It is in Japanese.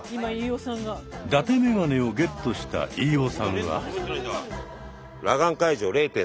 ダテメガネをゲットした飯尾さんは。